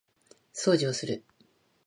掃除をする